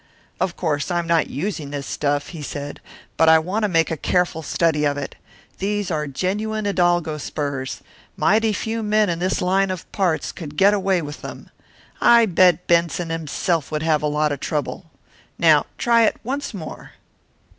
"Of course I'm not using this stuff," he said, "but I want to make a careful study of it. These are genuine hidalgo spurs. Mighty few men in this line of parts could get away with them. I bet Benson himself would have a lot of trouble. Now, try it once more."